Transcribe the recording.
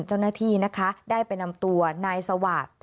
เจ้าหน้าที่นะคะได้ไปนำตัวนายสวาสตร์